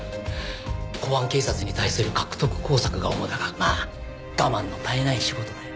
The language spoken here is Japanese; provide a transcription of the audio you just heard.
公安警察に対する獲得工作が主だがまあ我慢の絶えない仕事だよ。